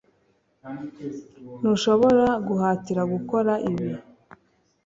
ntushobora guhatira gukora ibi.